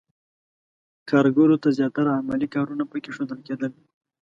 کارګرو ته زیاتره عملي کارونه پکې ښودل کېدل.